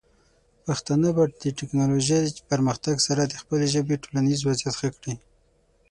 پښتانه به د ټیکنالوجۍ پرمختګ سره د خپلې ژبې ټولنیز وضعیت ښه کړي.